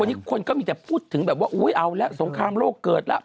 วันนี้คนก็มีแต่พูดถึงแบบว่าอุ๊ยเอาแล้วสงครามโลกเกิดแล้ว